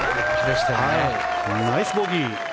ナイスボギー！